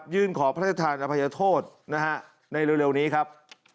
ยื่นขอพระธรรมอภัยโทษนะฮะในเร็วนี้ครับ